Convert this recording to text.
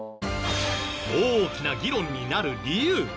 大きな議論になる理由。